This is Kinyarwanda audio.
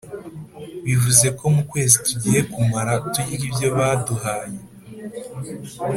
Bivuze ko mu kwezi tugiye kumara turya ibyo baduhaye,